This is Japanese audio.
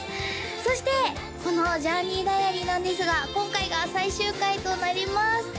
そしてこのＪｏｕｒｎｅｙＤｉａｒｙなんですが今回が最終回となります